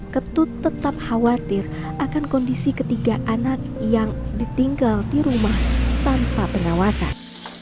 ketut tetap khawatir akan kondisi ketiga anak yang ditinggal di rumah tanpa pengawasan